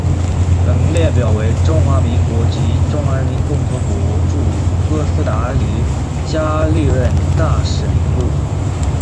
本列表为中华民国及中华人民共和国驻哥斯达黎加历任大使名录。